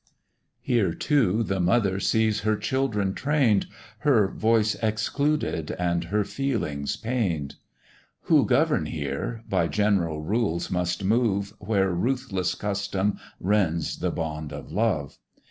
Here too the mother sees her children train'd, Her voice excluded and her feelings pain'd: Who govern here, by general rules must move, Where ruthless custom rends the bond of love.